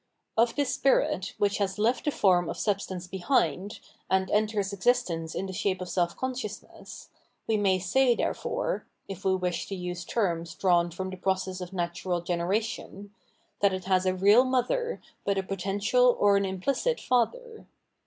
Of this spirit, 766 PJienomenology of Mind wliicli kas left the form of substance behind, and enters existence in the shape of self consciousness, we may say, therefore — if we wish to use terms drawn from the process of natural generation — that it has a real mother but a potential or an implicit^ father.